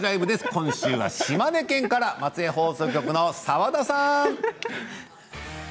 今週は島根県から松江放送局の澤田さん！